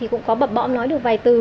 cũng có bập bọm nói được vài từ